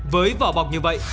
với vỏ bọc như vậy